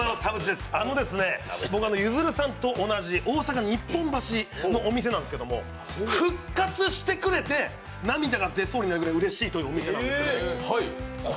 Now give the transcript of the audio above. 僕はゆずるさんと同じ大阪・日本橋のお店なんですけど復活してくれて、涙が出そうになるぐらいうれしいものというのが。